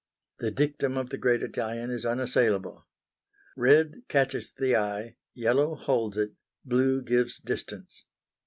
The dictum of the great Italian is unassailable: "Red catches the eye; yellow holds it; blue gives distance."